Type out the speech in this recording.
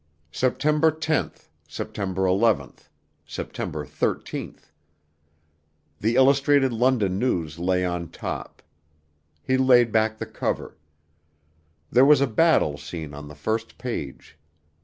September 10th. September 11th. September 13th. The Illustrated London News lay on top. He laid back the cover. There was a battle scene on the first page.